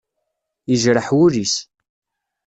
Yejreḥ wul-is.